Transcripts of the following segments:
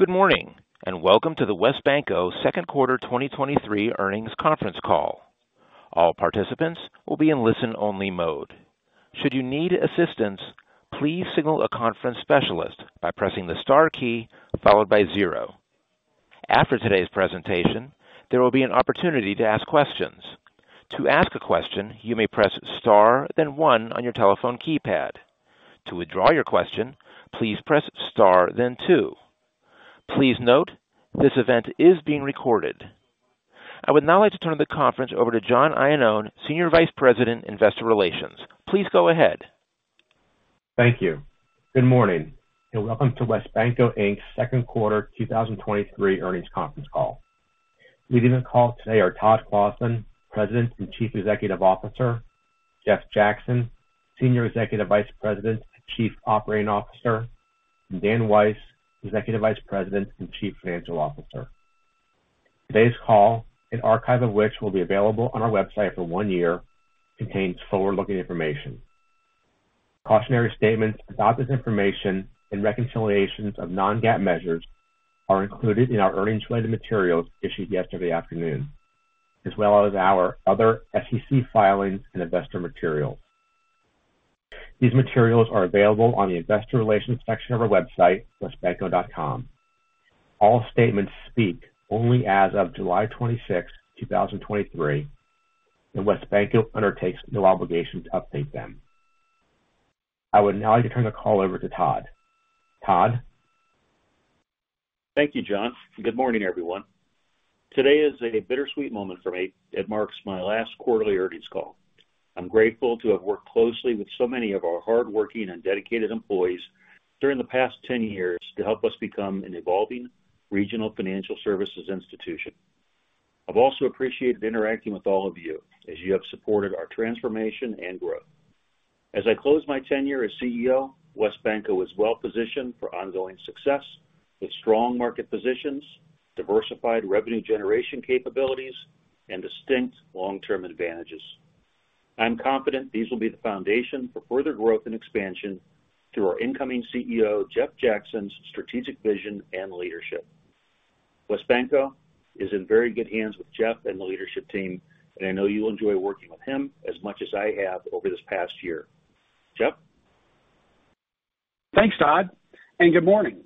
Good morning, welcome to the WesBanco second quarter 2023 earnings conference call. All participants will be in listen-only mode. Should you need assistance, please signal a conference specialist by pressing the star key followed by zero. After today's presentation, there will be an opportunity to ask questions. To ask a question, you may press star, then one on your telephone keypad. To withdraw your question, please press star, then two. Please note, this event is being recorded. I would now like to turn the conference over to John Iannone, Senior Vice President, Investor Relations. Please go ahead. Thank you. Good morning, and welcome to WesBanco Inc.'s 2nd quarter 2023 earnings conference call. Leading the call today are Todd Clossin, President and Chief Executive Officer, Jeff Jackson, Senior Executive Vice President and Chief Operating Officer, and Dan Weiss, Executive Vice President and Chief Financial Officer. Today's call, an archive of which will be available on our website for one year, contains forward-looking information. Cautionary statements about this information and reconciliations of non-GAAP measures are included in our earnings-related materials issued yesterday afternoon, as well as our other SEC filings and investor materials. These materials are available on the investor relations section of our website, wesbanco.com. All statements speak only as of 26 July 2023, and WesBanco undertakes no obligation to update them. I would now like to turn the call over to Todd. Todd? Thank you, John, and good morning, everyone. Today is a bittersweet moment for me. It marks my last quarterly earnings call. I'm grateful to have worked closely with so many of our hardworking and dedicated employees during the past 10 years to help us become an evolving regional financial services institution. I've also appreciated interacting with all of you as you have supported our transformation and growth. As I close my tenure as CEO, WesBanco is well positioned for ongoing success, with strong market positions, diversified revenue generation capabilities, and distinct long-term advantages. I'm confident these will be the foundation for further growth and expansion through our incoming CEO, Jeff Jackson's strategic vision and leadership. WesBanco is in very good hands with Jeff and the leadership team, and I know you'll enjoy working with him as much as I have over this past year. Jeff? Thanks, Todd, and good morning.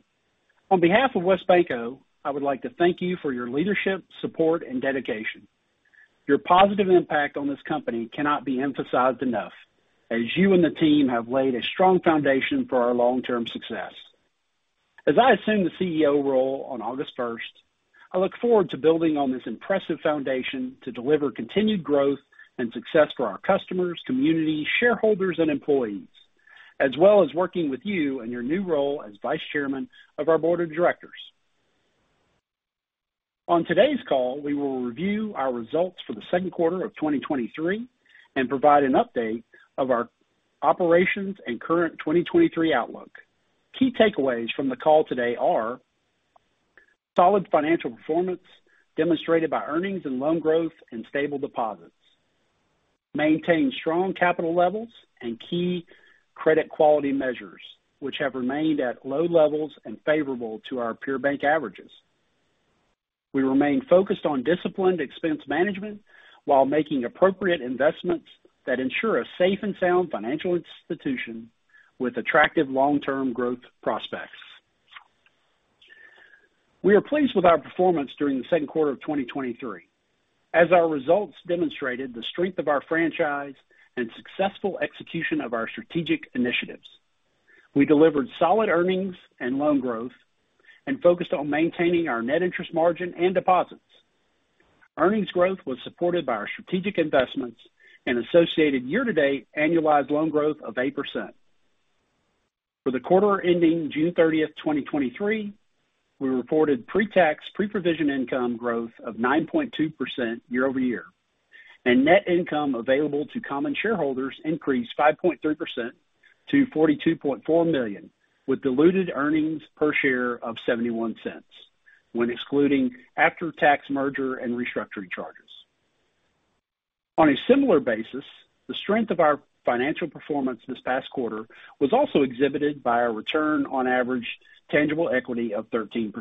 On behalf of WesBanco, I would like to thank you for your leadership, support, and dedication. Your positive impact on this company cannot be emphasized enough, as you and the team have laid a strong foundation for our long-term success. As I assume the CEO role on 1 August, I look forward to building on this impressive foundation to deliver continued growth and success for our customers, communities, shareholders, and employees, as well as working with you in your new role as Vice Chairman of our Board of Directors. On today's call, we will review our results for the second quarter of 2023 and provide an update of our operations and current 2023 outlook. Key takeaways from the call today are: solid financial performance demonstrated by earnings and loan growth and stable deposits, maintain strong capital levels and key credit quality measures, which have remained at low levels and favorable to our peer bank averages. We remain focused on disciplined expense management while making appropriate investments that ensure a safe and sound financial institution with attractive long-term growth prospects. We are pleased with our performance during the second quarter of 2023, as our results demonstrated the strength of our franchise and successful execution of our strategic initiatives. We delivered solid earnings and loan growth and focused on maintaining our net interest margin and deposits. Earnings growth was supported by our strategic investments and associated year-to-date annualized loan growth of 8%. For the quarter ending 30 June 2023, we reported pre-tax, pre-provision income growth of 9.2% year-over-year. Net income available to common shareholders increased 5.3% to $42.4 million, with diluted earnings per share of $0.71 when excluding after-tax merger and restructuring charges. On a similar basis, the strength of our financial performance this past quarter was also exhibited by our return on average tangible equity of 13%.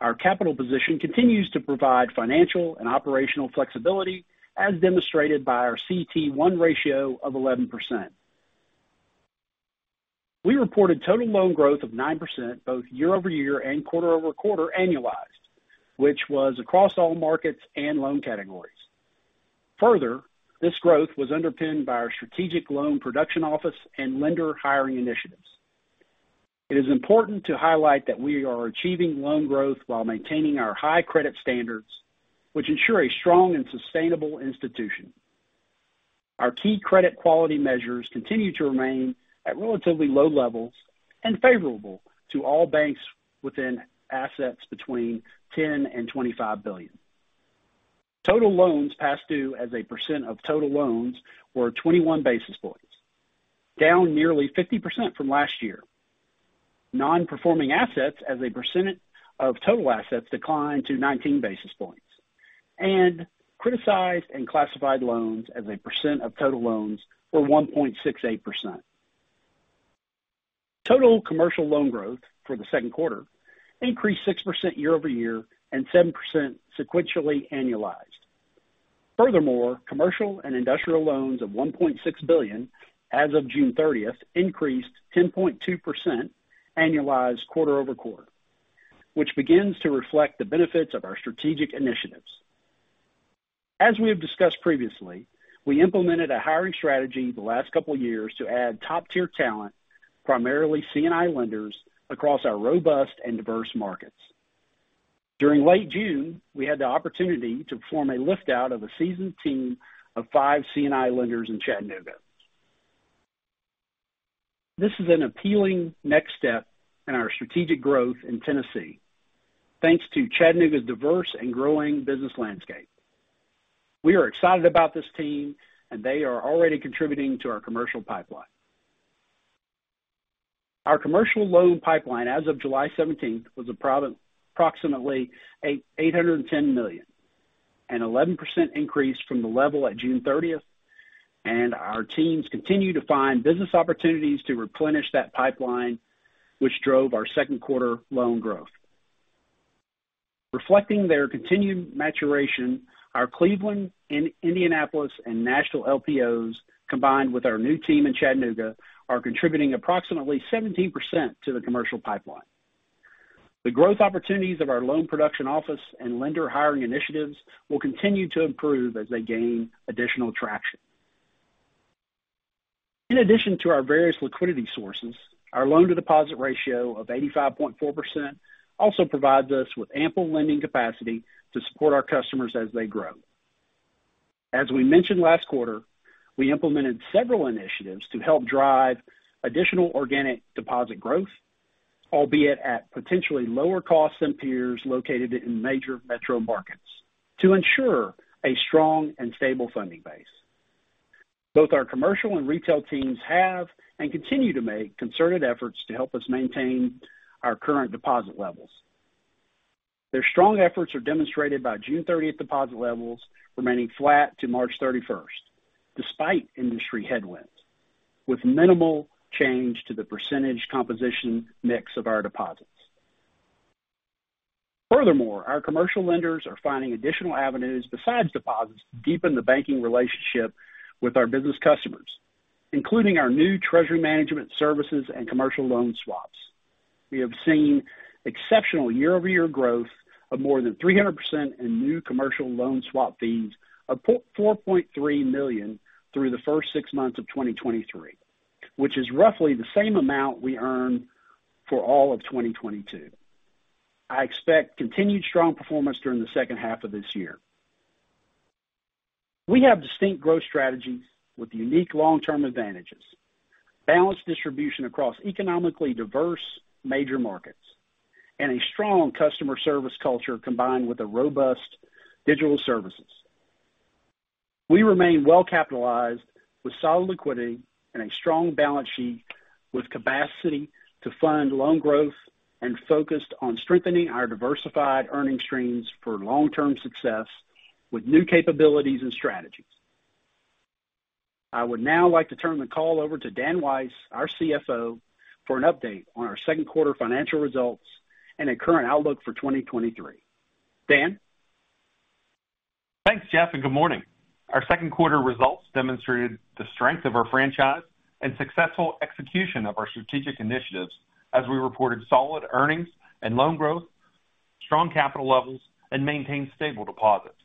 Our capital position continues to provide financial and operational flexibility, as demonstrated by our CET1 ratio of 11%. We reported total loan growth of 9%, both year-over-year and quarter-over-quarter annualized, which was across all markets and loan categories. Further, this growth was underpinned by our strategic loan production office and lender hiring initiatives. It is important to highlight that we are achieving loan growth while maintaining our high credit standards, which ensure a strong and sustainable institution. Our key credit quality measures continue to remain at relatively low levels and favorable to all banks within assets between $10 billion and $25 billion. Total loans past due as a percent of total loans were 21 basis points, down nearly 50% from last year. Non-performing assets as a percentage of total assets declined to 19 basis points. Criticized and classified loans as a percent of total loans were 1.68%. Total commercial loan growth for the second quarter increased 6% year-over-year and 7% sequentially annualized. Furthermore, commercial and industrial loans of $1.6 billion as of 30 June increased 10.2% annualized quarter-over-quarter, which begins to reflect the benefits of our strategic initiatives. As we have discussed previously, we implemented a hiring strategy the last couple of years to add top-tier talent, primarily C&I lenders, across our robust and diverse markets. During late June, we had the opportunity to perform a lift out of a seasoned team of five C&I lenders in Chattanooga. This is an appealing next step in our strategic growth in Tennessee, thanks to Chattanooga's diverse and growing business landscape. We are excited about this team, and they are already contributing to our commercial pipeline. Our commercial loan pipeline as of July seventeenth, was approximately $810 million, an 11% increase from the level at 30 June and our teams continue to find business opportunities to replenish that pipeline, which drove our second quarter loan growth. Reflecting their continued maturation, our Cleveland and Indianapolis and national LPOs, combined with our new team in Chattanooga, are contributing approximately 17% to the commercial pipeline. The growth opportunities of our loan production office and lender hiring initiatives will continue to improve as they gain additional traction. In addition to our various liquidity sources, our loan-to-deposit ratio of 85.4% also provides us with ample lending capacity to support our customers as they grow. As we mentioned last quarter, we implemented several initiatives to help drive additional organic deposit growth, albeit at potentially lower costs than peers located in major metro markets, to ensure a strong and stable funding base. Both our commercial and retail teams have, and continue to make concerted efforts to help us maintain our current deposit levels. Their strong efforts are demonstrated by 30 June deposit levels remaining flat to 31 March, despite industry headwinds, with minimal change to the % composition mix of our deposits. Our commercial lenders are finding additional avenues besides deposits to deepen the banking relationship with our business customers, including our new treasury management services and commercial loan swaps. We have seen exceptional year-over-year growth of more than 300% in new commercial loan swap fees of $4.3 million through the first six months of 2023, which is roughly the same amount we earned for all of 2022. I expect continued strong performance during the second half of this year. We have distinct growth strategies with unique long-term advantages, balanced distribution across economically diverse major markets, and a strong customer service culture, combined with a robust digital services. We remain well capitalized, with solid liquidity and a strong balance sheet, with capacity to fund loan growth and focused on strengthening our diversified earning streams for long-term success with new capabilities and strategies. I would now like to turn the call over to Dan Weiss, our CFO, for an update on our second quarter financial results and a current outlook for 2023. Dan? Thanks, Jeff. Good morning. Our second quarter results demonstrated the strength of our franchise and successful execution of our strategic initiatives as we reported solid earnings and loan growth, strong capital levels, and maintained stable deposits.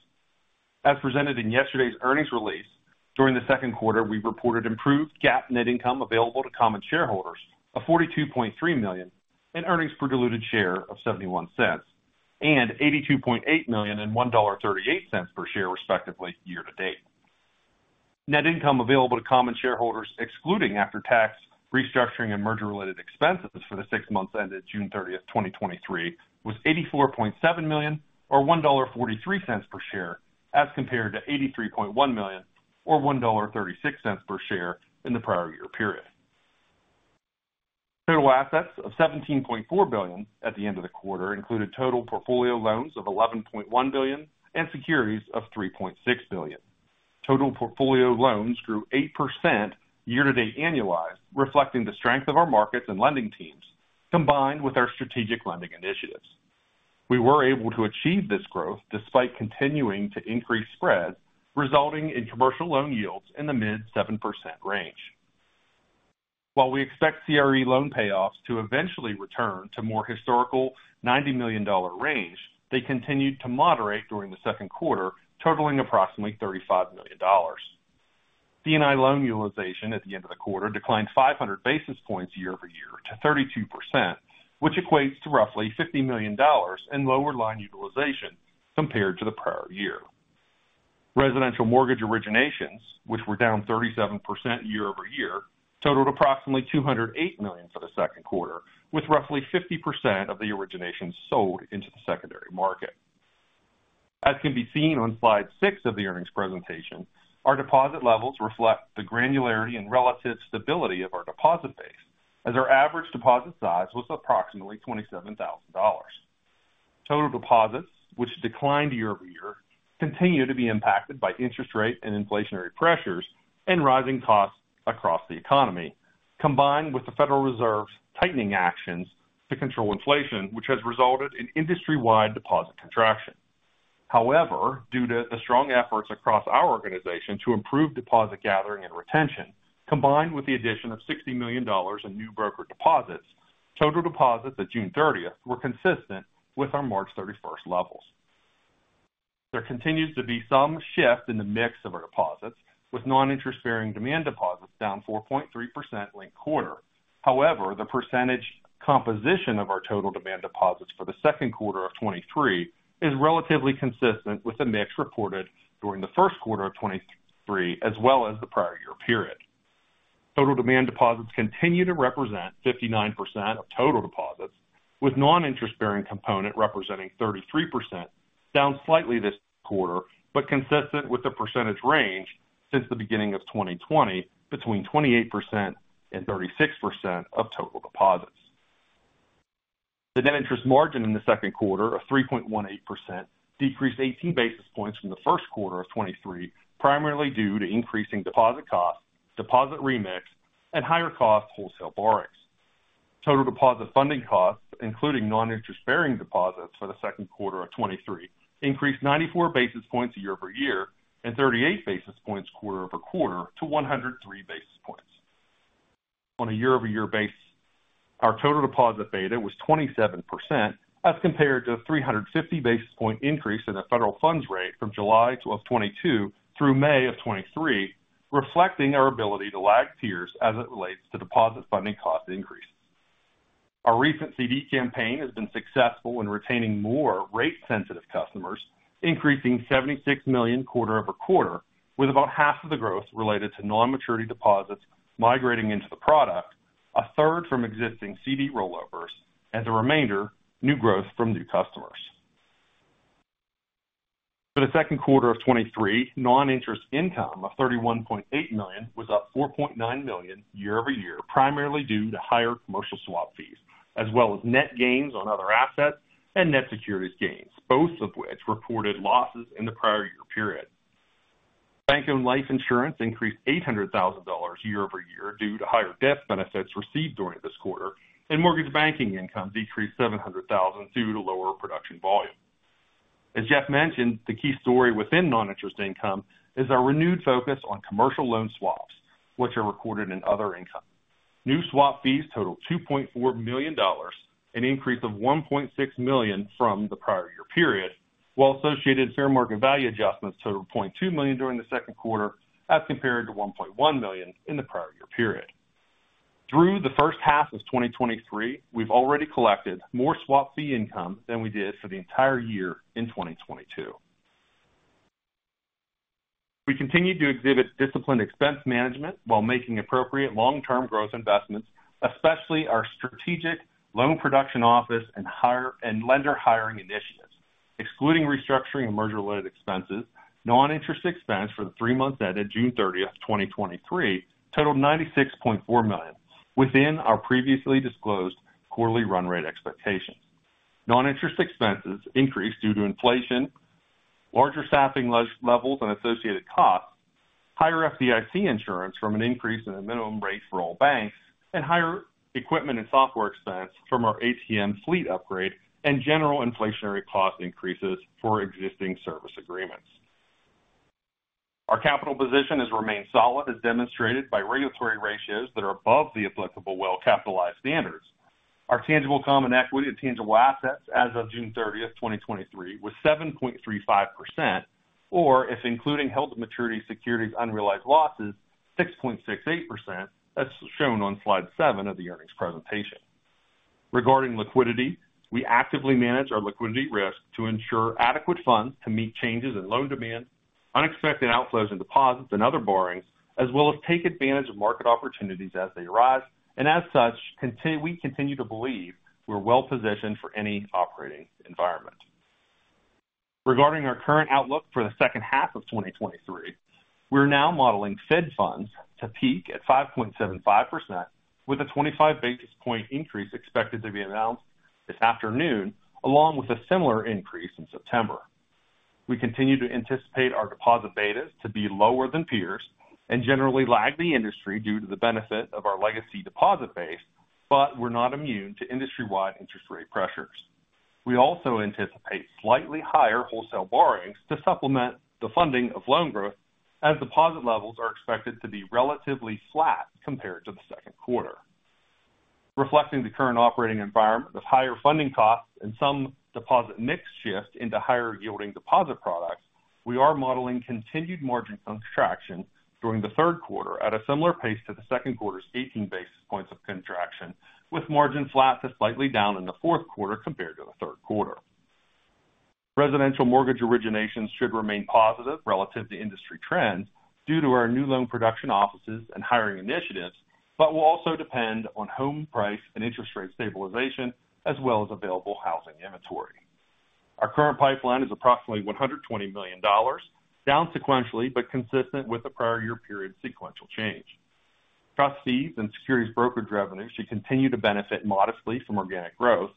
As presented in yesterday's earnings release, during the second quarter, we reported improved GAAP net income available to common shareholders of $42.3 million, and earnings per diluted share of $0.71, and $82.8 million and $1.38 per share, respectively, year to date. Net income available to common shareholders, excluding after-tax restructuring and merger-related expenses for the six months ended 30 June 2023, was $84.7 million, or $1.43 per share, as compared to $83.1 million or $1.36 per share in the prior year period. Total assets of $17.4 billion at the end of the quarter included total portfolio loans of $11.1 billion and securities of $3.6 billion. Total portfolio loans grew 8% year-to-date annualized, reflecting the strength of our markets and lending teams, combined with our strategic lending initiatives. We were able to achieve this growth despite continuing to increase spreads, resulting in commercial loan yields in the mid 7% range. While we expect CRE loan payoffs to eventually return to more historical $90 million range, they continued to moderate during the second quarter, totaling approximately $35 million. C&I loan utilization at the end of the quarter declined 500 basis points year-over-year to 32%, which equates to roughly $50 million in lower line utilization compared to the prior year. Residential mortgage originations, which were down 37% year-over-year, totaled approximately $208 million for the second quarter, with roughly 50% of the originations sold into the secondary market. As can be seen on slide six of the earnings presentation, our deposit levels reflect the granularity and relative stability of our deposit base. As our average deposit size was approximately $27,000. Total deposits, which declined year-over-year, continue to be impacted by interest rate and inflationary pressures and rising costs across the economy, combined with the Federal Reserve's tightening actions to control inflation, which has resulted in industry-wide deposit contraction. However, due to the strong efforts across our organization to improve deposit gathering and retention, combined with the addition of $60 million in new broker deposits, total deposits at 30 June were consistent with our 31 March levels. There continues to be some shift in the mix of our deposits, with non-interest-bearing demand deposits down 4.3% linked quarter. The percentage composition of our total demand deposits for the second quarter of 2023 is relatively consistent with the mix reported during the first quarter of 2023, as well as the prior year period. Total demand deposits continue to represent 59% of total deposits, with non-interest-bearing component representing 33%, down slightly this quarter, but consistent with the percentage range since the beginning of 2020, between 28% and 36% of total deposits. The net interest margin in the second quarter of 3.18% decreased 18 basis points from the first quarter of 2023, primarily due to increasing deposit costs, deposit remix, and higher cost wholesale borrowings. Total deposit funding costs, including non-interest-bearing deposits for the second quarter of 2023, increased 94 basis points year-over-year and 38 basis points quarter-over-quarter to 103 basis points. On a year-over-year basis, our total deposit beta was 27%, as compared to a 350 basis point increase in the Federal funds rate from July of 2022 through May of 2023, reflecting our ability to lag peers as it relates to deposit funding cost increases. Our recent CD campaign has been successful in retaining more rate-sensitive customers, increasing $76 million quarter-over-quarter, with about half of the growth related to non-maturity deposits migrating into the product, a third from existing CD rollovers, and the remainder, new growth from new customers. For the second quarter of 2023, non-interest income of $31.8 million was up $4.9 million year-over-year, primarily due to higher commercial swap fees, as well as net gains on other assets and net securities gains, both of which reported losses in the prior year period. bank-owned life insurance increased $800,000 year-over-year due to higher death benefits received during this quarter, and mortgage banking income decreased $700,000 due to lower production volume. As Jeff mentioned, the key story within non-interest income is our renewed focus on commercial loan swaps, which are recorded in other income. New swap fees totaled $2.4 million, an increase of $1.6 million from the prior year period, while associated fair market value adjustments totaled $0.2 million during the second quarter, as compared to $1.1 million in the prior year period. Through the first half of 2023, we've already collected more swap fee income than we did for the entire year in 2022. We continue to exhibit disciplined expense management while making appropriate long-term growth investments, especially our strategic loan production office and lender hiring initiatives. Excluding restructuring and merger-related expenses, non-interest expense for the three months ended 30 June 2023 totaled $96.4 million, within our previously disclosed quarterly run rate expectations. Non-interest expenses increased due to inflation, larger staffing levels and associated costs, higher FDIC insurance from an increase in the minimum rate for all banks, and higher equipment and software expense from our ATM fleet upgrade and general inflationary cost increases for existing service agreements. Our capital position has remained solid, as demonstrated by regulatory ratios that are above the applicable well-capitalized standards. Our tangible common equity and tangible assets as of 30 June 2023, was 7.35%, or if including held-to-maturity securities unrealized losses, 6.68%, as shown on slide seven of the earnings presentation. Regarding liquidity, we actively manage our liquidity risk to ensure adequate funds to meet changes in loan demand, unexpected outflows and deposits, and other borrowings, as well as take advantage of market opportunities as they arise. As such, we continue to believe we're well positioned for any operating environment. Regarding our current outlook for the second half of 2023, we're now modeling Fed funds to peak at 5.75%, with a 25 basis point increase expected to be announced this afternoon, along with a similar increase in September. We continue to anticipate our deposit betas to be lower than peers and generally lag the industry due to the benefit of our legacy deposit base, but we're not immune to industry-wide interest rate pressures. We also anticipate slightly higher wholesale borrowings to supplement the funding of loan growth, as deposit levels are expected to be relatively flat compared to the second quarter. Reflecting the current operating environment of higher funding costs and some deposit mix shift into higher yielding deposit products, we are modeling continued margin contraction during the third quarter at a similar pace to the second quarter's 18 basis points of contraction, with margin flat to slightly down in the fourth quarter compared to the third quarter. Residential mortgage originations should remain positive relative to industry trends due to our new loan production offices and hiring initiatives, but will also depend on home price and interest rate stabilization, as well as available housing inventory. Our current pipeline is approximately $120 million, down sequentially, but consistent with the prior year period sequential change. Trust fees and securities brokerage revenue should continue to benefit modestly from organic growth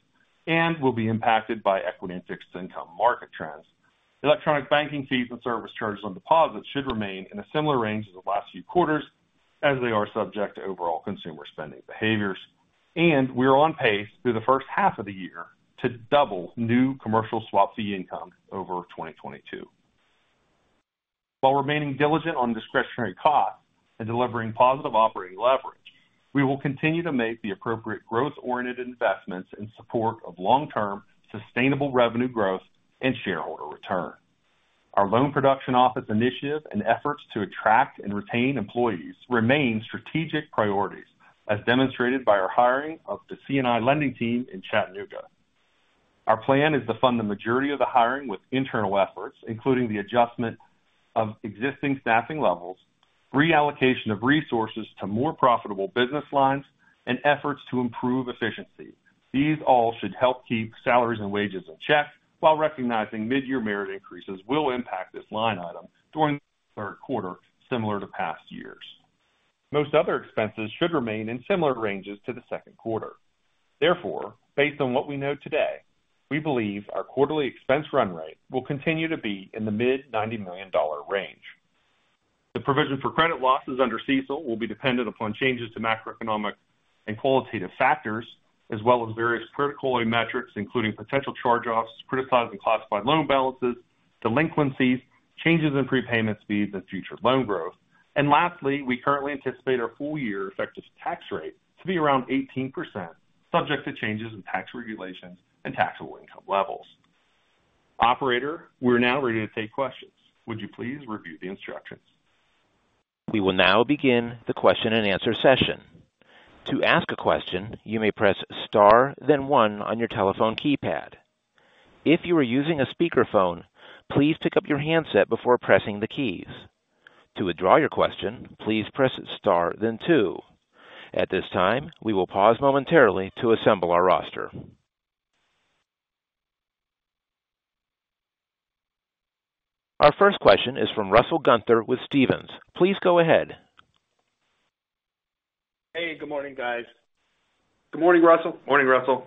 and will be impacted by equity and fixed income market trends. Electronic banking fees and service charges on deposits should remain in a similar range as the last few quarters, as they are subject to overall consumer spending behaviors, and we are on pace through the first half of the year to double new commercial swap fee income over 2022. While remaining diligent on discretionary costs and delivering positive operating leverage, we will continue to make the appropriate growth-oriented investments in support of long-term, sustainable revenue growth and shareholder return. Our loan production office initiative and efforts to attract and retain employees remain strategic priorities, as demonstrated by our hiring of the C&I lending team in Chattanooga. Our plan is to fund the majority of the hiring with internal efforts, including the adjustment of existing staffing levels, reallocation of resources to more profitable business lines, and efforts to improve efficiency. These all should help keep salaries and wages in check, while recognizing mid-year merit increases will impact this line item during the third quarter, similar to past years. Most other expenses should remain in similar ranges to the second quarter. Therefore, based on what we know today, we believe our quarterly expense run rate will continue to be in the $90 million range. The provision for credit losses under CECL will be dependent upon changes to macroeconomic and qualitative factors, as well as various critical metrics, including potential charge-offs, criticized and classified loan balances, delinquencies, changes in prepayment speeds and future loan growth. Lastly, we currently anticipate our full year effective tax rate to be around 18%, subject to changes in tax regulations and taxable income levels. Operator, we're now ready to take questions. Would you please review the instructions? We will now begin the question-and-answer session. To ask a question, you may press star, then one on your telephone keypad. If you are using a speakerphone, please pick up your handset before pressing the keys. To withdraw your question, please press star then two. At this time, we will pause momentarily to assemble our roster. Our first question is from Russell Gunther with Stephens. Please go ahead. Hey, good morning, guys. Good morning, Russell. Morning, Russell.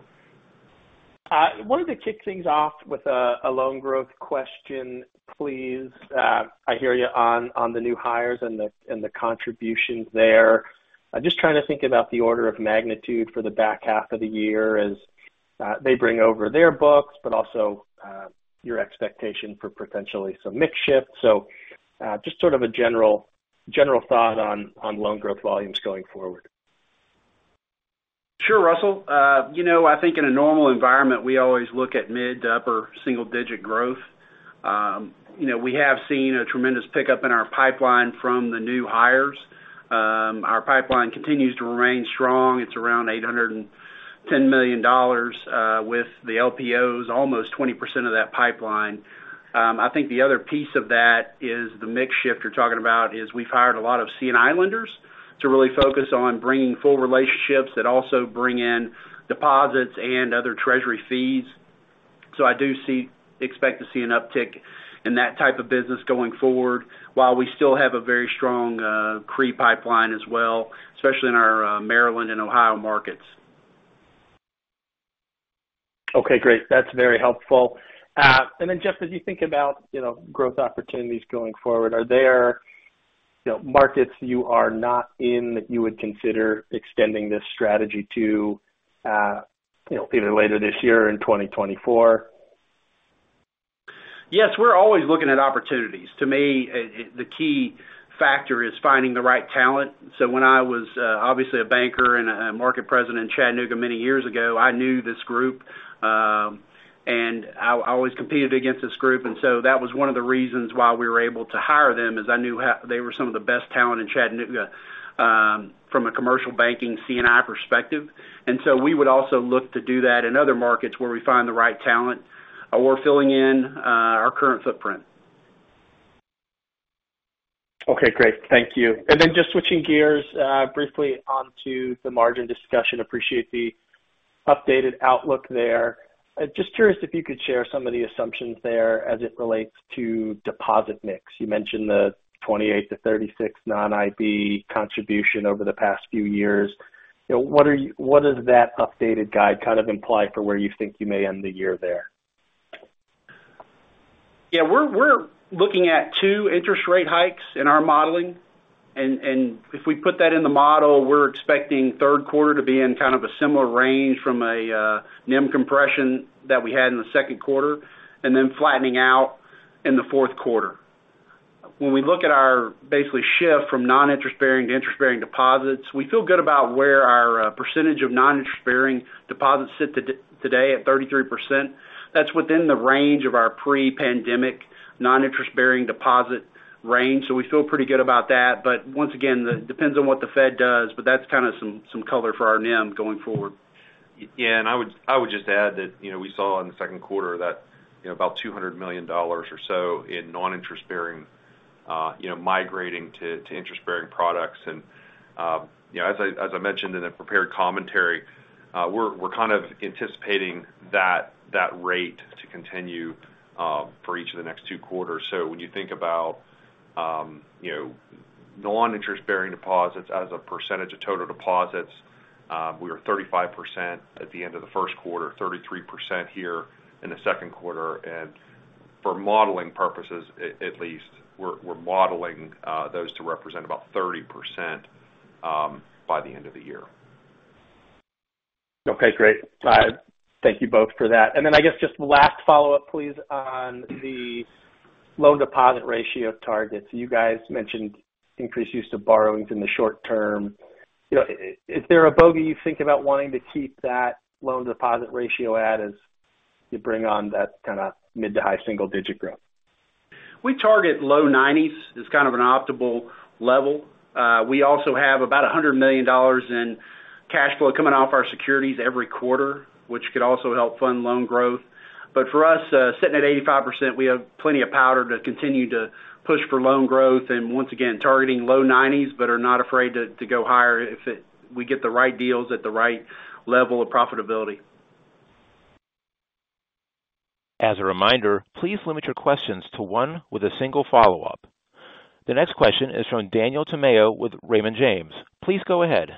Wanted to kick things off with a loan growth question, please. I hear you on the new hires and the contributions there. I'm just trying to think about the order of magnitude for the back half of the year as, they bring over their books, but also, your expectation for potentially some mix shift. Just sort of a general thought on loan growth volumes going forward. Sure, Russell. You know, I think in a normal environment, we always look at mid to upper single-digit growth. You know, we have seen a tremendous pickup in our pipeline from the new hires. Our pipeline continues to remain strong. It's around $810 million, with the LPOs, almost 20% of that pipeline. I think the other piece of that is the mix shift you're talking about is we've hired a lot of C&I lenders to really focus on bringing full relationships that also bring in deposits and other treasury fees. Expect to see an uptick in that type of business going forward, while we still have a very strong CRE pipeline as well, especially in our Maryland and Ohio markets. Okay, great. That's very helpful. Jeff, as you think about, you know, growth opportunities going forward, are there, you know, markets you are not in that you would consider extending this strategy to, you know, either later this year or in 2024? Yes, we're always looking at opportunities. To me, the key factor is finding the right talent. When I was, obviously a banker and a market president in Chattanooga many years ago, I knew this group, and I always competed against this group. That was one of the reasons why we were able to hire them, is I knew they were some of the best talent in Chattanooga, from a commercial banking C&I perspective. We would also look to do that in other markets where we find the right talent, or we're filling in our current footprint. Okay, great. Thank you. Just switching gears, briefly onto the margin discussion. Appreciate the updated outlook there. I'm just curious if you could share some of the assumptions there as it relates to deposit mix. You mentioned the 28-36 non-IB contribution over the past few years. You know, what does that updated guide kind of imply for where you think you may end the year there? Yeah, we're looking at two interest rate hikes in our modeling. If we put that in the model, we're expecting 3rd quarter to be in kind of a similar range from a NIM compression that we had in the 2nd quarter, and then flattening out in the 4th quarter. When we look at our basically shift from non-interest-bearing to interest-bearing deposits, we feel good about where our percentage of non-interest-bearing deposits sit today at 33%. That's within the range of our pre-pandemic non-interest-bearing deposit range. We feel pretty good about that, but once again, depends on what the Fed does, but that's kind of some color for our NIM going forward. Yeah, I would just add that, you know, we saw in the second quarter that, you know, about $200 million or so in non-interest-bearing you know, migrating to interest-bearing products. You know, as I mentioned in the prepared commentary, we're kind of anticipating that rate to continue for each of the next two quarters. When you think about, you know, non-interest-bearing deposits as a percentage of total deposits, we are 35% at the end of the first quarter, 33% here in the second quarter. For modeling purposes, at least, we're modeling those to represent about 30% by the end of the year. Okay, great. Thank you both for that. I guess just last follow-up, please, on the loan deposit ratio targets. You guys mentioned increased use of borrowings in the short term. You know, is there a bogey you think about wanting to keep that loan deposit ratio at as you bring on that kind of mid to high single digit growth? We target low nineties as kind of an optimal level. We also have about $100 million in cash flow coming off our securities every quarter, which could also help fund loan growth. Sitting at 85%, we have plenty of powder to continue to push for loan growth, and once again, targeting low nineties, are not afraid to go higher if we get the right deals at the right level of profitability. As a reminder, please limit your questions to one with a single follow-up. The next question is from Daniel Tamayo with Raymond James. Please go ahead.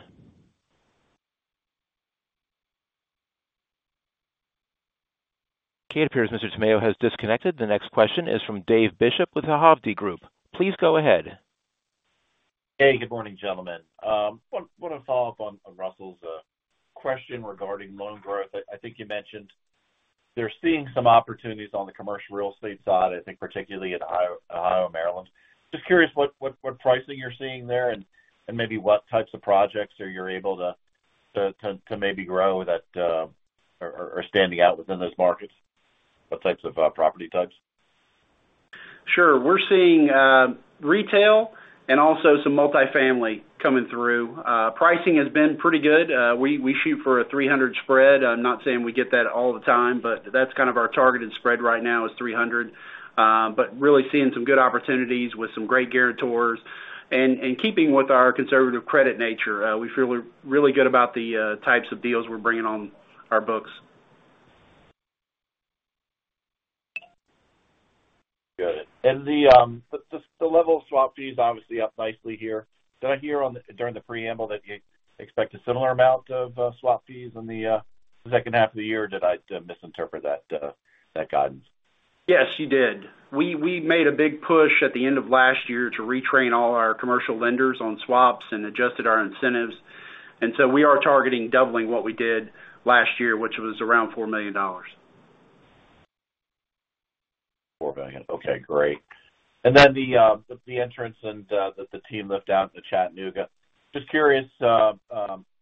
Okay, it appears Mr. Tamayo has disconnected. The next question is from Dave Bishop with Hovde Group. Please go ahead. Hey, good morning, gentlemen. want to follow up on Russell's question regarding loan growth. I think you mentioned you're seeing some opportunities on the commercial real estate side, I think particularly in Ohio and Maryland. Just curious, what pricing you're seeing there, and maybe what types of projects are you able to maybe grow that are standing out within those markets? What types of property types? Sure. We're seeing retail and also some multifamily coming through. Pricing has been pretty good. We shoot for a 300 spread. I'm not saying we get that all the time, but that's kind of our targeted spread right now, is 300. Really seeing some good opportunities with some great guarantors. Keeping with our conservative credit nature, we feel really good about the types of deals we're bringing on our books. Good. The level of swap fees is obviously up nicely here. Did I hear during the preamble that you expect a similar amount of swap fees in the second half of the year, or did I misinterpret that guidance? Yes, you did. We made a big push at the end of last year to retrain all our commercial lenders on swaps and adjusted our incentives. We are targeting doubling what we did last year, which was around $4 million. $4 million. Okay, great. The entrance and the team left out to Chattanooga. Just curious,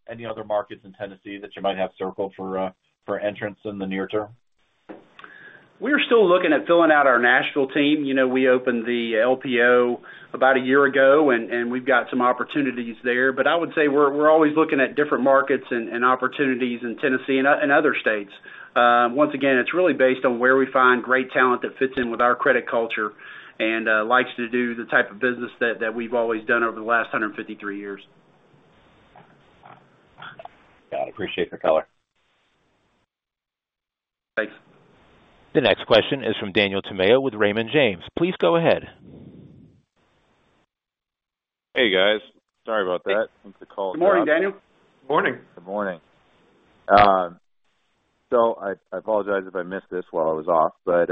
any other markets in Tennessee that you might have circled for entrance in the near term? We're still looking at filling out our Nashville team. You know, we opened the LPO about a year ago, and we've got some opportunities there. I would say we're always looking at different markets and opportunities in Tennessee and other states. Once again, it's really based on where we find great talent that fits in with our credit culture and likes to do the type of business that we've always done over the last 153 years. Got it. Appreciate the color. Thanks. The next question is from Daniel Tamayo with Raymond James. Please go ahead. Hey, guys. Sorry about that. Think the call. Good morning, Daniel. Morning. Good morning. I apologize if I missed this while I was off, but,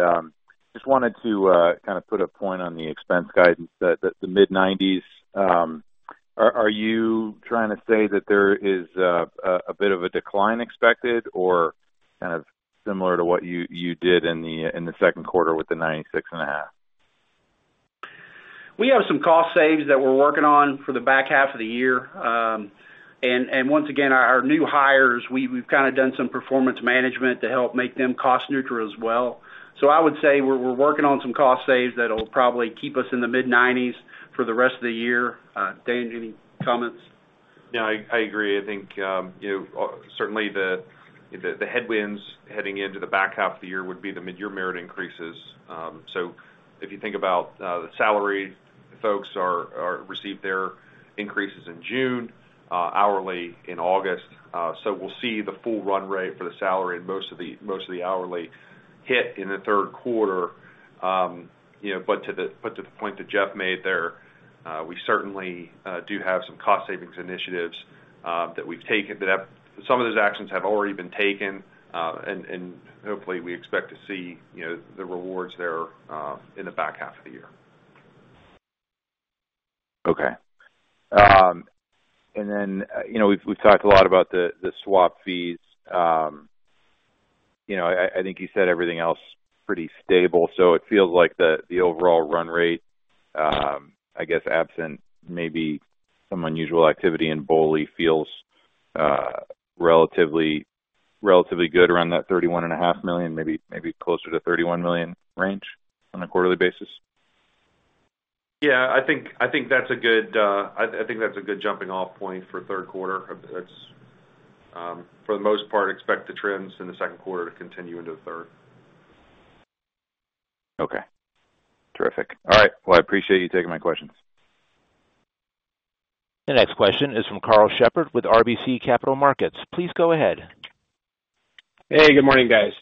just wanted to, kind of put a point on the expense guidance that the mid-nineties, are you trying to say that there is a bit of a decline expected or kind of similar to what you did in the second quarter with the 96.5? We have some cost saves that we're working on for the back half of the year. Once again, our new hires, we've kind of done some performance management to help make them cost neutral as well. I would say we're working on some cost saves that'll probably keep us in the mid-nineties for the rest of the year. Dan, any comments? Yeah, I agree. I think, you know, certainly the headwinds heading into the back half of the year would be the mid-year merit increases. If you think about, the salary, folks received their increases in June, hourly in August. We'll see the full run rate for the salary and most of the hourly hit in the third quarter. You know, but to the point that Jeff made there, we certainly do have some cost savings initiatives that some of those actions have already been taken. Hopefully, we expect to see, you know, the rewards there, in the back half of the year. Okay. Then, you know, we've talked a lot about the swap fees. You know, I think you said everything else pretty stable, so it feels like the overall run rate, I guess absent maybe some unusual activity in BOLI, feels relatively good around that $31 and a half million, maybe closer to $31 million range on a quarterly basis? Yeah, I think that's a good, I think that's a good jumping-off point for third quarter for the most part, expect the trends in the second quarter to continue into the third. Okay, terrific. All right, well, I appreciate you taking my questions. The next question is from Karl Shepard with RBC Capital Markets. Please go ahead. Hey, good morning, guys.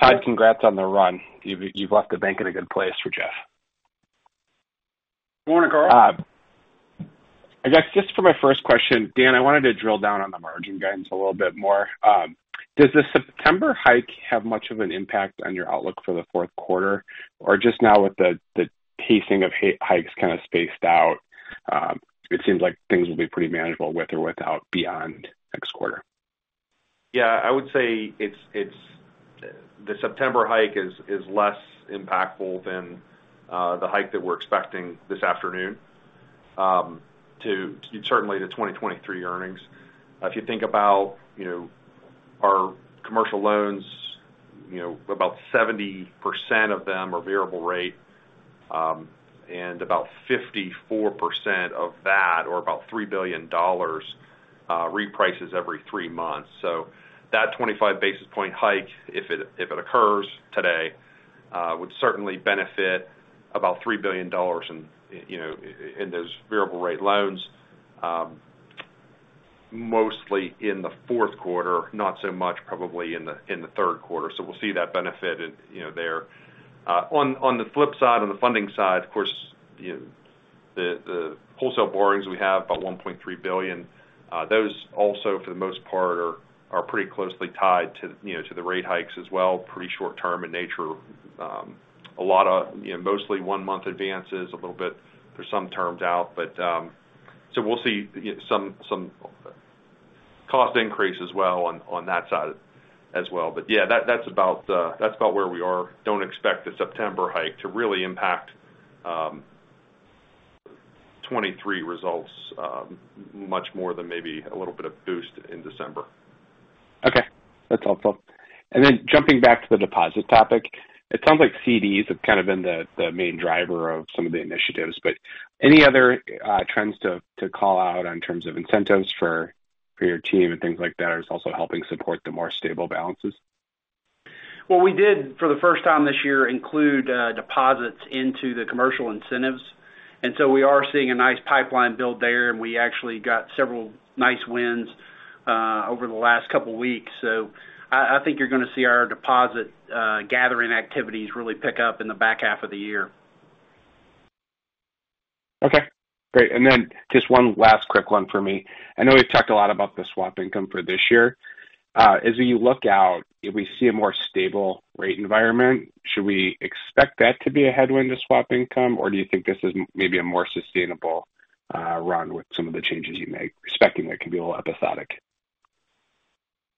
Todd, congrats on the run. You've left the bank in a good place for Jeff. Good morning, Karl. I guess, just for my first question, Dan, I wanted to drill down on the margin guidance a little bit more. Does the September hike have much of an impact on your outlook for the fourth quarter, or just now with the pacing of hikes kind of spaced out, it seems like things will be pretty manageable with or without beyond next quarter? Yeah, I would say it's the September hike is less impactful than the hike that we're expecting this afternoon to certainly to 2023 earnings. If you think about, you know, our commercial loans, you know, about 70% of them are variable rate, and about 54% of that, or about $3 billion, reprices every three months. That 25 basis point hike, if it occurs today, would certainly benefit about $3 billion in, you know, in those variable rate loans, mostly in the fourth quarter, not so much probably in the third quarter. We'll see that benefit in, you know, there. On the flip side, on the funding side, of course, you know, the wholesale borrowings, we have about $1.3 billion. Those also, for the most part, are pretty closely tied to, you know, to the rate hikes as well, pretty short term in nature. A lot of, you know, mostly one-month advances, a little bit for some termed out. So we'll see some cost increase as well on that side as well. Yeah, that's about, that's about where we are. Don't expect the September hike to really impact 2023 results, much more than maybe a little bit of boost in December. Okay, that's helpful. Then jumping back to the deposit topic, it sounds like CDs have kind of been the main driver of some of the initiatives, but any other trends to call out in terms of incentives for your team and things like that, is also helping support the more stable balances? We did, for the first time this year, include deposits into the commercial incentives, and so we are seeing a nice pipeline build there, and we actually got several nice wins over the last couple of weeks. I think you're going to see our deposit gathering activities really pick up in the back half of the year. Okay, great. Just one last quick one for me. I know we've talked a lot about the swap income for this year. As you look out, if we see a more stable rate environment, should we expect that to be a headwind to swap income, or do you think this is maybe a more sustainable, run with some of the changes you make, respecting that can be a little episodic?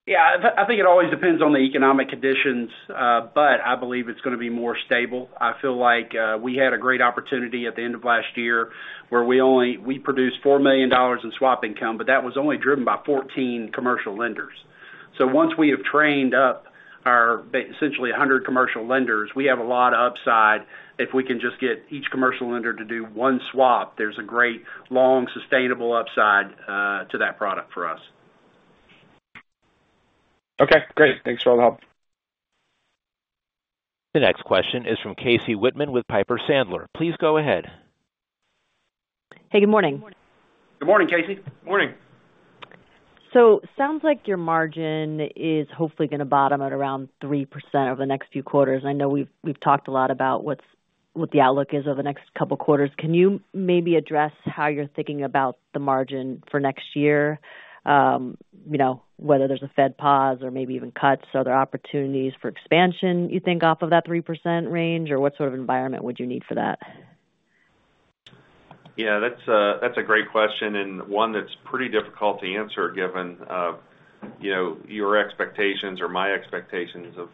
Yeah, I think it always depends on the economic conditions, but I believe it's going to be more stable. I feel like, we had a great opportunity at the end of last year, where we produced $4 million in swap income, but that was only driven by 14 commercial lenders. Once we have trained up our essentially 100 commercial lenders, we have a lot of upside. If we can just get each commercial lender to do one swap, there's a great, long, sustainable upside to that product for us. Okay, great. Thanks for all the help. The next question is from Casey Whitman with Piper Sandler. Please go ahead. Hey, good morning. Good morning, Casey. Morning. Sounds like your margin is hopefully going to bottom at around 3% over the next few quarters. I know we've talked a lot about what the outlook is over the next couple of quarters. Can you maybe address how you're thinking about the margin for next year? you know, whether there's a Fed pause or maybe even cuts, are there opportunities for expansion, you think, off of that 3% range, or what sort of environment would you need for that? Yeah, that's a great question, and one that's pretty difficult to answer, given, you know, your expectations or my expectations of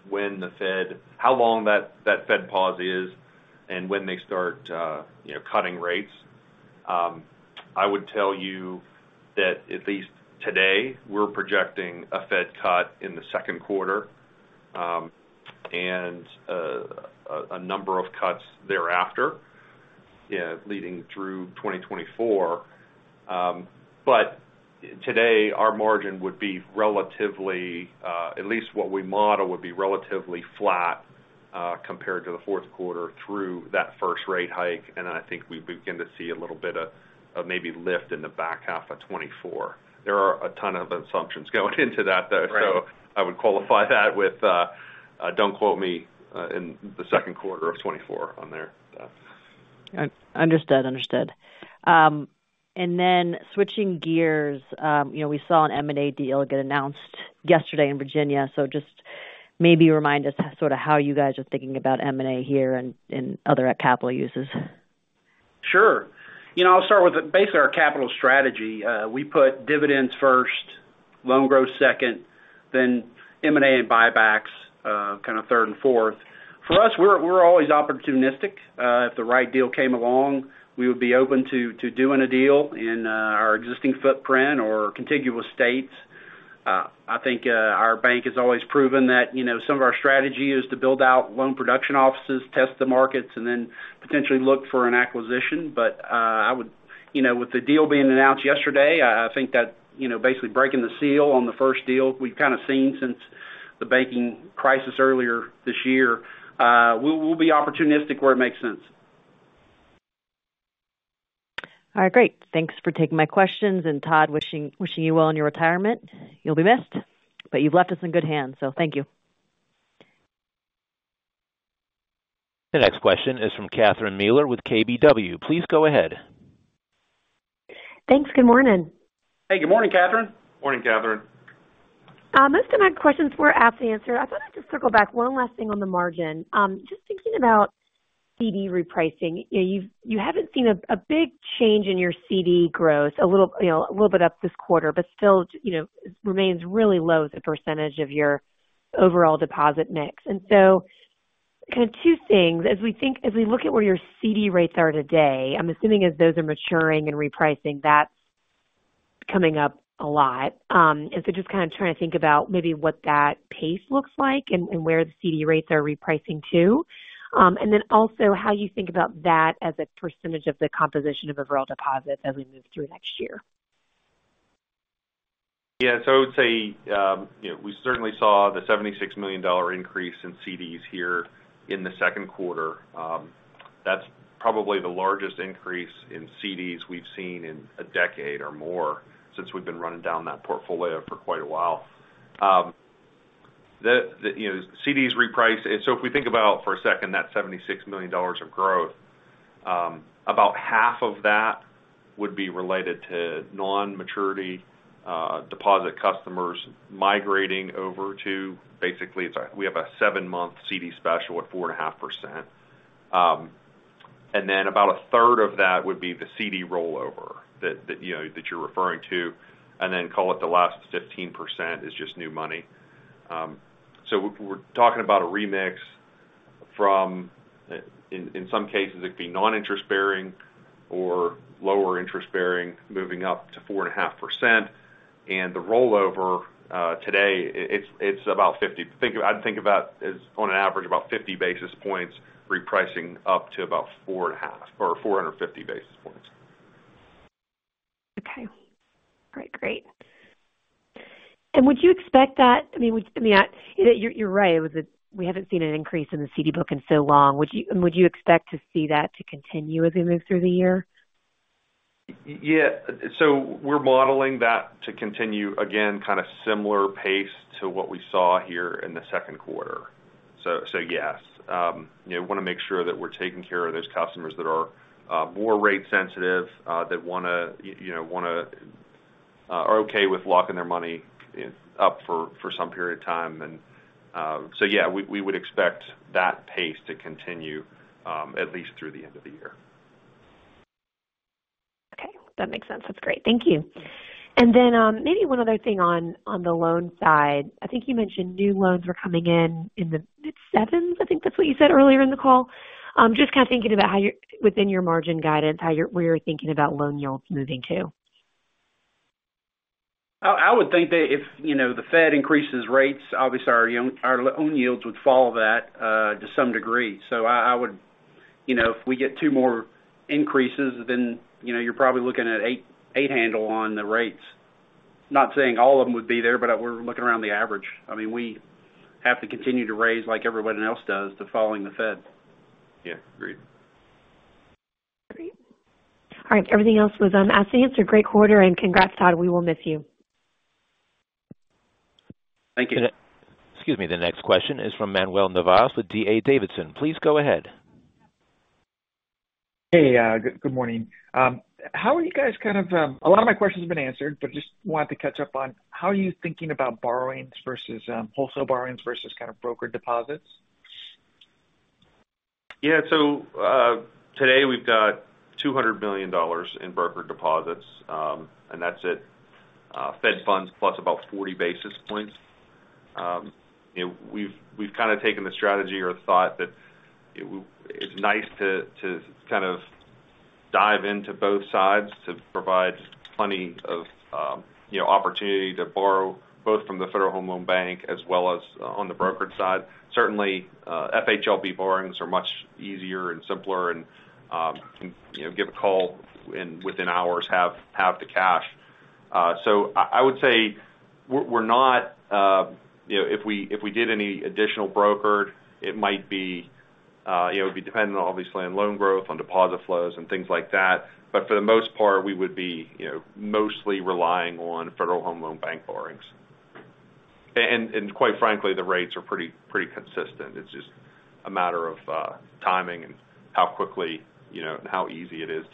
how long that Fed pause is and when they start, you know, cutting rates. I would tell you that at least today, we're projecting a Fed cut in the second quarter, and a number of cuts thereafter, leading through 2024. Today, our margin would be relatively, at least what we model would be relatively flat, compared to the fourth quarter through that first rate hike, and I think we begin to see a little bit of maybe lift in the back half of 24. There are a ton of assumptions going into that, though, so I would qualify that with, don't quote me, in the second quarter of 2024 on there. Understood. Understood. Then switching gears, you know, we saw an M&A deal get announced yesterday in Virginia. Just maybe remind us sort of how you guys are thinking about M&A here and other capital uses. Sure. You know, I'll start with basically our capital strategy. We put dividends first, loan growth second, then M&A and buybacks, kind of third and fourth. For us, we're always opportunistic. If the right deal came along, we would be open to doing a deal in our existing footprint or contiguous states. I think our bank has always proven that, you know, some of our strategy is to build out loan production offices, test the markets, and then potentially look for an acquisition. You know, with the deal being announced yesterday, I think that, you know, basically breaking the seal on the first deal we've kind of seen since the banking crisis earlier this year, we'll be opportunistic where it makes sense. All right, great. Thanks for taking my questions. Todd, wishing you well in your retirement. You'll be missed, but you've left us in good hands, thank you. The next question is from Catherine Mealor with KBW. Please go ahead. Thanks. Good morning. Hey, good morning, Catherine. Morning, Catherine. Most of my questions were asked and answered. I thought I'd just circle back one last thing on the margin. Just thinking about CD repricing, you haven't seen a big change in your CD growth, a little, you know, a little bit up this quarter, but still, you know, remains really low as a % of your overall deposit mix. Kind of two things: as we look at where your CD rates are today, I'm assuming as those are maturing and repricing, that's coming up a lot. Just kind of trying to think about maybe what that pace looks like and where the CD rates are repricing to. Then also how you think about that as a % of the composition of overall deposits as we move through next year. Yeah. I would say, you know, we certainly saw the $76 million increase in CDs here in the second quarter. That's probably the largest increase in CDs we've seen in a decade or more since we've been running down that portfolio for quite a while. The, you know, CDs reprice so if we think about, for a second, that $76 million of growth, about half of that would be related to non-maturity deposit customers migrating over to basically, we have a seven-month CD special at 4.5%. About a third of that would be the CD rollover that, you know, that you're referring to, call it the last 15% is just new money. We're talking about a remix from, in some cases, it'd be non-interest-bearing or lower interest-bearing, moving up to 4.5%. The rollover, today, it's about 50. I'd think about as on an average, about 50 basis points, repricing up to about 4.5 or 450 basis points. Okay. All right, great. Would you expect that i mean, we, I mean, you're right, it was a, we haven't seen an increase in the CD book in so long. Would you expect to see that to continue as we move through the year? Yeah. We're modeling that to continue, again, similar pace to what we saw here in the second quarter. so yes, you know, we wanna make sure that we're taking care of those customers that are more rate sensitive, that wanna, you know, wanna are okay with locking their money in, up for some period of time. so yeah, we would expect that pace to continue at least through the end of the year. Okay, that makes sense. That's great. Thank you. Maybe one other thing on the loan side. I think you mentioned new loans were coming in in the mid-sevens. I think that's what you said earlier in the call. Just kind of thinking about how you're, within your margin guidance, where you're thinking about loan yields moving to? I would think that if, you know, the Fed increases rates, obviously our yield, our loan yields would follow that to some degree. I would, you know, if we get two more increases, then, you know, you're probably looking at 8 handle on the rates. Not saying all of them would be there, but we're looking around the average. I mean, we have to continue to raise like everybody else does to following the Fed. Yeah, agreed. Great. All right. Everything else was as answered. Great quarter. Congrats, Todd. We will miss you. Thank you. Excuse me. The next question is from Manuel Navas with D.A. Davidson. Please go ahead. Hey, good morning. A lot of my questions have been answered. Just wanted to catch up on how are you thinking about borrowings versus wholesale borrowings versus kind of broker deposits? Today we've got $200 million in broker deposits, that's at Fed funds plus about 40 basis points. You know, we've kind of taken the strategy or thought that it's nice to kind of dive into both sides to provide plenty of, you know, opportunity to borrow both from the Federal Home Loan Bank as well as on the brokerage side. Certainly, FHLB borrowings are much easier and simpler and, you know, give a call and within hours, have the cash. I would say we're not, you know, if we did any additional brokered, it might be, you know, it would be dependent obviously on loan growth, on deposit flows, and things like that. For the most part, we would be, you know, mostly relying on Federal Home Loan Bank borrowings. Quite frankly, the rates are pretty consistent. It's just a matter of timing and how quickly, you know, and how easy it is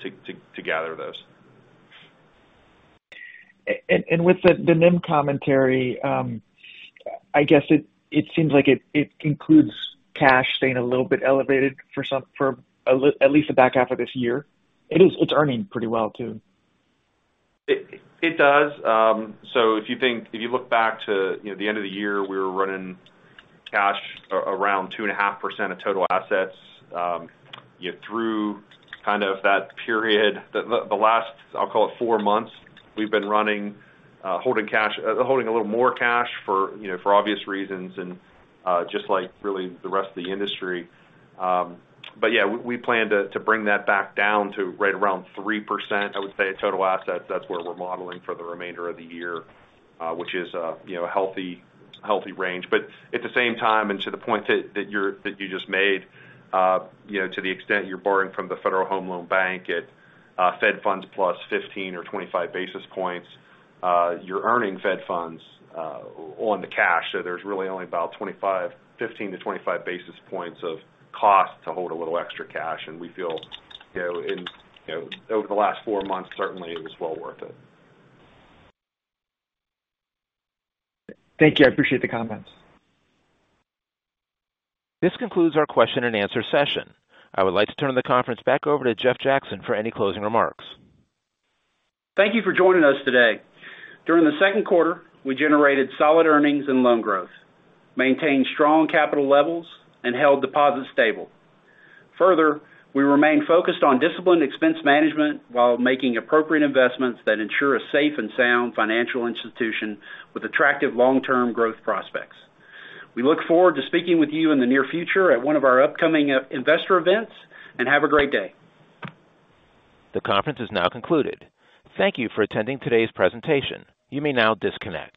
to gather those. With the NIM commentary, I guess it seems like it includes cash staying a little bit elevated for some, at least the back half of this year. It's earning pretty well, too. It does. If you think, if you look back to, you know, the end of the year, we were running cash around 2.5% of total assets. You know, through kind of that period, the last, I'll call it four months, we've been running, holding cash, holding a little more cash for, you know, for obvious reasons and just like really the rest of the industry. Yeah, we plan to bring that back down to right around 3%, I would say, of total assets. That's where we're modeling for the remainder of the year, which is, you know, a healthy range. At the same time, and to the point that you're, that you just made, you know, to the extent you're borrowing from the Federal Home Loan Bank at, Fed funds plus 15 or 25 basis points, you're earning Fed funds on the cash. There's really only about 25, 15 to 25 basis points of cost to hold a little extra cash, and we feel, you know, in, you know, over the last four months, certainly it was well worth it. Thank you. I appreciate the comments. This concludes our question and answer session. I would like to turn the conference back over to Jeff Jackson for any closing remarks. Thank you for joining us today. During the second quarter, we generated solid earnings and loan growth, maintained strong capital levels, and held deposits stable. Further, we remain focused on disciplined expense management while making appropriate investments that ensure a safe and sound financial institution with attractive long-term growth prospects. We look forward to speaking with you in the near future at one of our upcoming investor events, and have a great day. The conference is now concluded. Thank you for attending today's presentation. You may now disconnect.